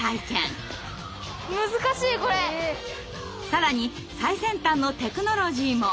更に最先端のテクノロジーも！